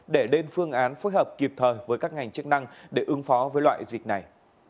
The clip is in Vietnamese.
để lên phương án phối hợp kịp thời với các ngành chức năng để ứng phó với loại dịch này